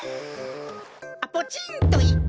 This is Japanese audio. あっポチンといっけんや。